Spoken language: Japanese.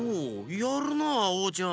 やるなオーちゃん！